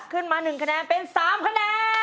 ขึ้นมา๑คะแนนเป็น๓คะแนน